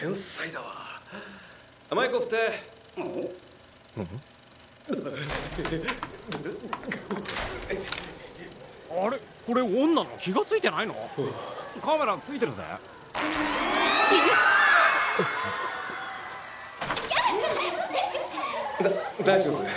「だ大丈夫？」